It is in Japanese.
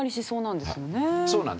そうなんですね。